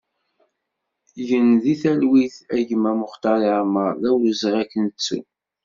Gen di talwit a gma Muxtari Amar, d awezɣi ad k-nettu!